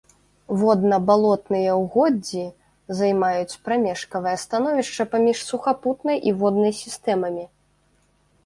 Водна-балотныя ўгоддзі займаюць прамежкавае становішча паміж сухапутнай і воднай сістэмамі.